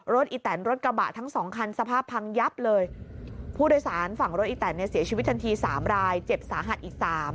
อีแตนรถกระบะทั้งสองคันสภาพพังยับเลยผู้โดยสารฝั่งรถอีแตนเนี่ยเสียชีวิตทันทีสามรายเจ็บสาหัสอีกสาม